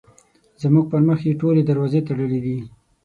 زموږ پر مخ یې ټولې دروازې تړلې دي.